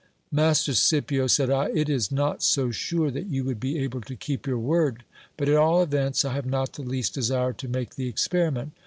Master Scipio, said I, it is not so sure that you would be able to keep your word ; but at all events, I have not the least desire to make the experiment.